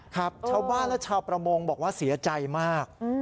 ครับชาวบ้านและชาวประมงบอกว่าเสียใจมาก